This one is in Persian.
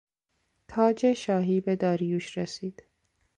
تاج شاهی به داریوش رسید.